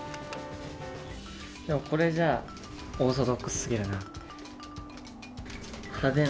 でも、これじゃあオーソドックスすぎるかな。